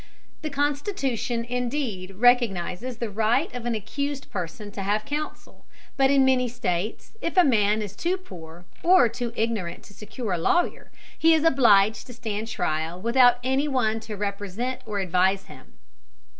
The Constitution indeed recognizes the right of an accused person to have counsel, but in many states if a man is too poor or too ignorant to secure a lawyer, he is obliged to stand trial without anyone to represent or advise him.